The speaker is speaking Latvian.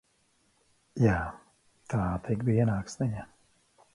Jā, tā tik bija naksniņa!